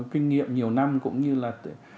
kinh nghiệm nhiều năm cũng như là